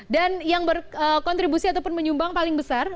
dan yang berkontribusi ataupun menyumbang paling besar